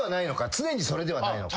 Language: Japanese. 常にそれではないのか？